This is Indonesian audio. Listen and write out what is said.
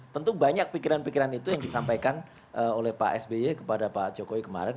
tentu banyak pikiran pikiran itu yang disampaikan oleh pak sby kepada pak jokowi kemarin